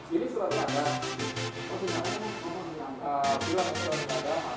iya nggak boleh